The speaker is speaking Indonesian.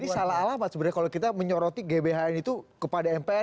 jadi salah alamat sebenarnya kalau kita menyoroti gbhn itu kepada mpr